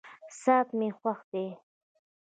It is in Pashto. ساعت مي خوښ دی.